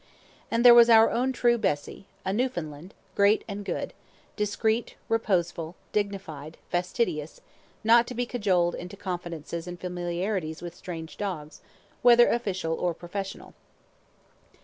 And there was our own true Bessy, a Newfoundland, great and good, discreet, reposeful, dignified, fastidious, not to be cajoled into confidences and familiarities with strange dogs, whether official or professional.